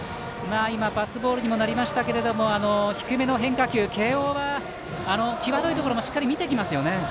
パスボールにもなりましたが低めの変化球慶応は、際どいところもしっかり見てきますよね。